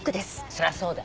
そりゃそうだ。